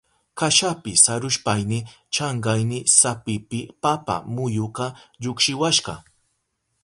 Kashapi sarushpayni chankayni sapipi papa muyuka llukshiwashka.